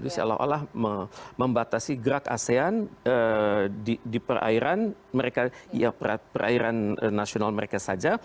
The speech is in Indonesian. jadi seolah olah membatasi gerak asean di perairan perairan nasional mereka saja